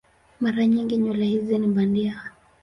Mara nyingi nywele hizi ni bandia.